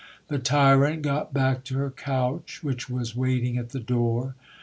The tyrant got back to her coach, which was waiting at the door.